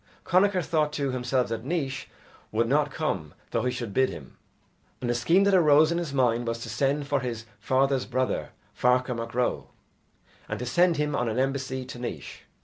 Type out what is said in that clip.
Connachar thought to himself that Naois would not come though he should bid him, and the scheme that arose in his mind was to send for his father's brother, Ferchar Mac Ro, and to send him on an embassy to Naois.